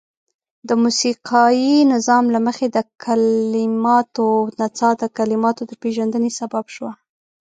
د موسيقايي نظام له مخې د کليماتو نڅاه د کليماتو د پيژندني سبب شوه.